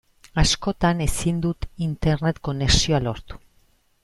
Askotan ezin dut Internet konexioa lortu.